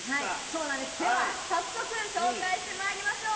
そうなんですでは早速紹介してまいりましょう。